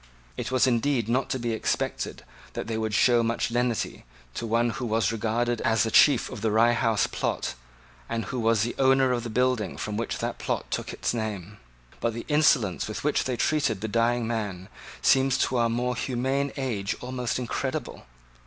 It was indeed not to be expected that they would show much lenity to one who was regarded as the chief of the Rye House plot, and who was the owner of the building from which that plot took its name: but the insolence with which they treated the dying man seems to our more humane age almost incredible.